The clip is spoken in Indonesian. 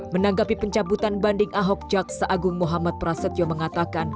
menanggapi pencabutan banding ahok jaksa agung muhammad prasetyo mengatakan